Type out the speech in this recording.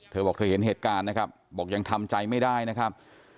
เธอบอกเธอเห็นเหตุการณ์นะครับบอกยังทำใจไม่ได้นะครับ